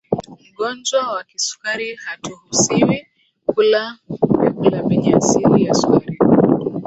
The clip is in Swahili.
mgonjwa wa kisukari hatuhusiwi kula vyakula vyenye asili ya sukari